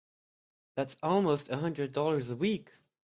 That's almost a hundred dollars a week!